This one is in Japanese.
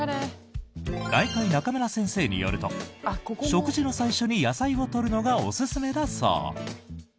内科医、中村先生によると食事の最初に野菜を取るのがおすすめだそう。